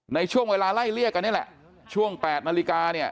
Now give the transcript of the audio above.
ในช่วงเวลาไล่เลี่ยกันนี่แหละช่วง๘นาฬิกาเนี่ย